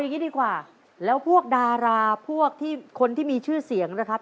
อย่างนี้ดีกว่าแล้วพวกดาราพวกที่คนที่มีชื่อเสียงนะครับ